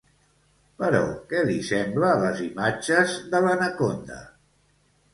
Però què li sembla les imatges de l'anaconda?